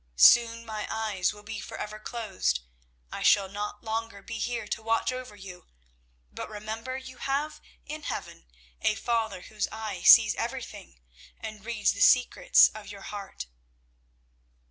Soon my eyes will be for ever closed, I shall not longer be here to watch over you, but remember you have in heaven a Father whose eye sees everything and reads the secrets of your heart."